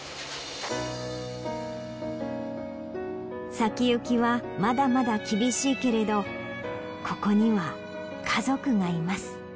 先行きはまだまだ厳しいけれどここには家族がいます。